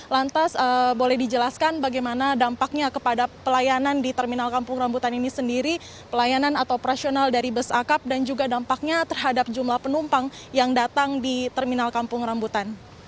lantas boleh dijelaskan bagaimana dampaknya kepada pelayanan di terminal kampung rambutan ini sendiri pelayanan atau operasional dari bus akap dan juga dampaknya terhadap jumlah penumpang yang datang di terminal kampung rambutan